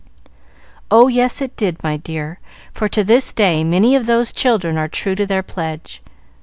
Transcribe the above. "Oh yes, it did, my dear; for to this day many of those children are true to their pledge.